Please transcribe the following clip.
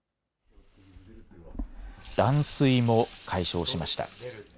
断水も解消しました。